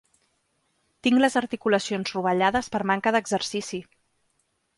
Tinc les articulacions rovellades per manca d'exercici.